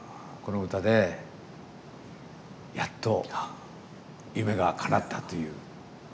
この歌でやっと夢がかなったという。